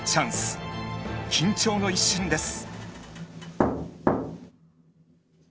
緊張の一瞬です。